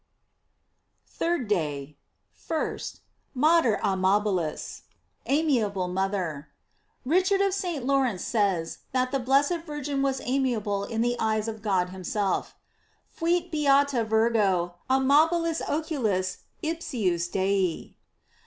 THIRD DAY. 1st. "Mater amabilis:" Amiable mother. Richard of St. Lawrence says that the blessed Virgin was amiable in the eyes of God himself: "Fuit beata Virgo arnabilis oculis ipsius Dei."